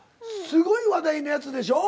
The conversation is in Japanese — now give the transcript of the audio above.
すごい話題のやつでしょ。